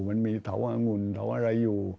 มันมีเถางุ่นเถาอะไรอยู่